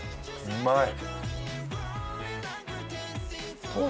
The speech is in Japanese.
うまい。